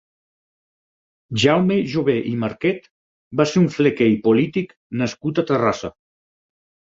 Jaume Jover i Marquet va ser un flequer i polític nascut a Terrassa.